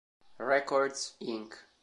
Records Inc.